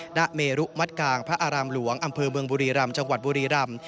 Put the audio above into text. ณเมรุมัติกลางพระอารามหลวงอำเภอเมืองบุรีรำจังหวัดบุรีรำ